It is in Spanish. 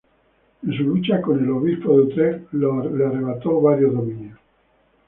En su lucha con el obispo de Utrecht le arrebató varios dominios.